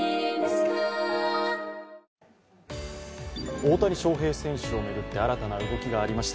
大谷翔平選手を巡って新たな動きがありました。